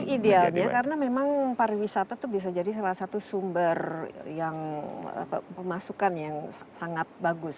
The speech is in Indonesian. idealnya karena memang pariwisata itu bisa jadi salah satu sumber yang pemasukan yang sangat bagus